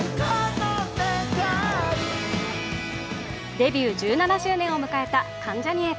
デビュー１７周年を迎えた関ジャニ∞。